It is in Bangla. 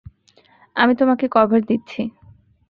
আমি তোমাকে কভার দিচ্ছি।